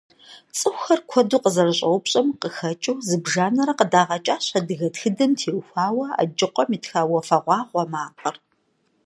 ЦӀыхухэр куэду къызэрыщӀэупщӀэм къыхэкӀыу зыбжанэрэ къыдагъэкӀащ адыгэ тхыдэм теухуауэ Аджыкъум итха «Уафэгъуагъуэ макъыр».